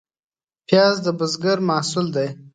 پیاز د بزګر محصول دی